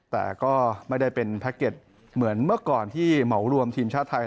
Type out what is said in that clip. แต่ก็ไม่ได้เป็นแพ็กเก็ตเหมือนเมื่อก่อนที่เหมารวมทีมชาติไทย